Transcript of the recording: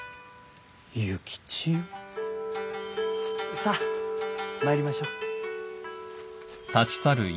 幸千代？さあ参りましょう。